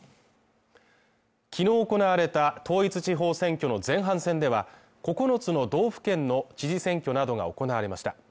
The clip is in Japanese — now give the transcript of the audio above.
昨日行われた統一地方選挙の前半戦では、９つの道府県の知事選挙などが行われました。